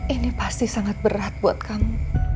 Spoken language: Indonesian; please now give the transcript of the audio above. ini pasti sangat berat buat kamu